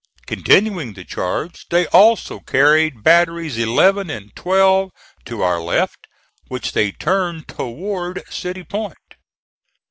Continuing the charge, they also carried batteries Eleven and Twelve to our left, which they turned toward City Point.